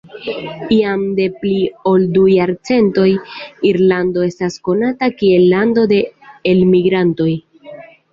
Jam de pli ol du jarcentoj Irlando estas konata kiel lando de elmigrantoj.